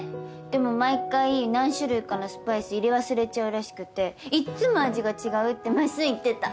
でも毎回何種類かのスパイス入れ忘れちゃうらしくていっつも味が違うってマッスン言ってた。